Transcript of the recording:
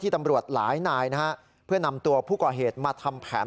ตำรวจหลายนายนะฮะเพื่อนำตัวผู้ก่อเหตุมาทำแผน